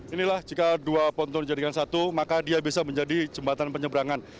inilah jika dua ponto dijadikan satu maka dia bisa menjadi jembatan penyeberangan